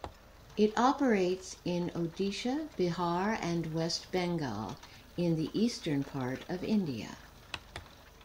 It operates in Odisha, Bihar and West Bengal, in the eastern part of India.